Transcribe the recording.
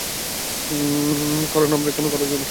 কারণ আমরা এখনও তালাক দিইনি!